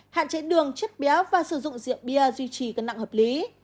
hạn chế đường chất béo và sử dụng rượu bia duy trì cân nặng hợp lý